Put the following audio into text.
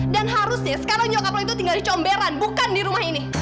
dan harusnya sekarang nyokap lo itu tinggal di comberan bukan di rumah ini